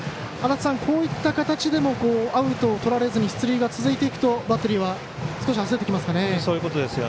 こういった形でもアウトをとられずに出塁が続いていくとバッテリーは少し焦ってきますかね。